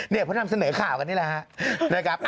เพราะนำเสนอข่าวกันนี่แหละครับ